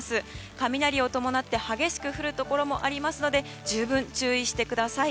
雷を伴って激しく降るところもありますので十分、注意してください。